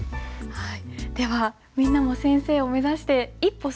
はい。